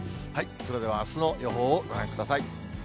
それではあすの予報をご覧ください。